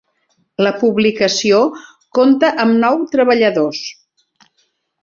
La publicació compta amb nou treballadors.